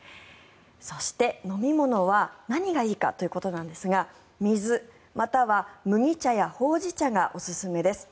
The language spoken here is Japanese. そして、飲み物は何がいいかということなんですが水、または麦茶やほうじ茶がおすすめです。